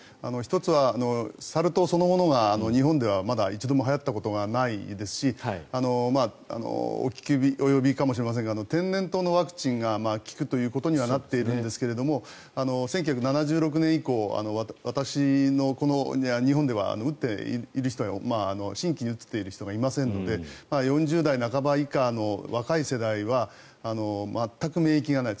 １つはサル痘そのものが日本ではまだ一度もはやったことがないですし聞き及びかもしれませんが天然痘のワクチンが効くということにはなっているんですが１９７６年以降、日本では新規に打っている人はいませんので４０代半ば以下の若い世代は全く免疫がない。